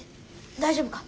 大丈夫か？